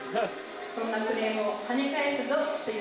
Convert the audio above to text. そんなクレームをはね返すぞ！という。